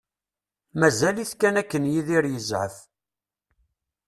Mazal-iten kan akken Yidir yezɛef.